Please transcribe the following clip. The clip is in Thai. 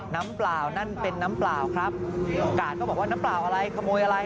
เปล่านั่นเป็นน้ำเปล่าครับกาดก็บอกว่าน้ำเปล่าอะไรขโมยอะไร